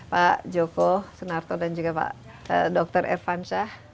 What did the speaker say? pak joko senarto dan juga pak dr irvansyah